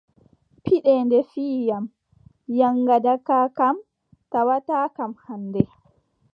Piiɗe ɗe fiyi am, yaŋgada ka kam tawataakam hannde.